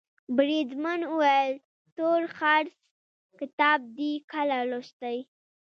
بریدمن وویل تورخرس کتاب دي کله لوستی.